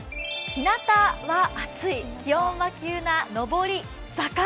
ひなたは暑い、気温は急に上り坂。